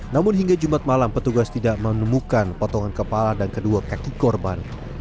namun hingga jumat malam petugas tidak menemukan potongan kepala dan kedua kaki korban